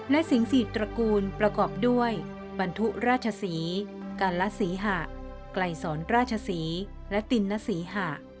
และสิงสี่ตระกูลประกอบด้วยบรรทุราชศรีกาลศรีหะไกลสอนราชศรีและตินนศรีหะ